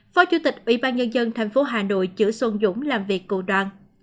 phó chủ tịch ủy ban nhân dân thành phố hà nội chữ xuân dũng làm việc cùng đoàn